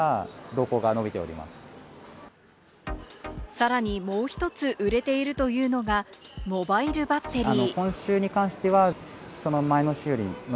さらにもう１つ売れているというのが、モバイルバッテリー。